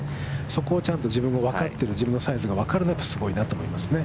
そこをちゃんと自分も分かってる、自分のサイズが分かるのはすごいなと思いますね。